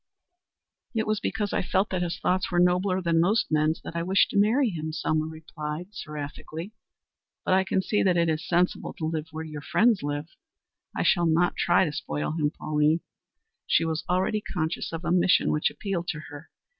"It was because I felt that his thoughts were nobler than most men's that I wished to marry him," Selma replied, seraphically. "But I can see that it is sensible to live where your friends live. I shall try not to spoil him, Pauline." She was already conscious of a mission which appealed to her.